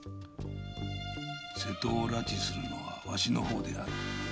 瀬戸を拉致するのはわしの方でやる。